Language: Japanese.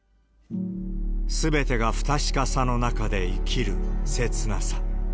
すべてが不確かさの中で生きる切なさ。